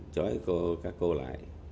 trói các cô lại